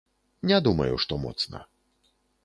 Не думаю, што моцна.